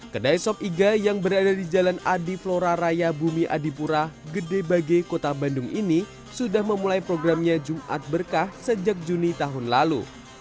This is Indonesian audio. kedai sop iga yang berada di jalan adi flora raya bumi adipura gede bage kota bandung ini sudah memulai programnya jumat berkah sejak juni tahun lalu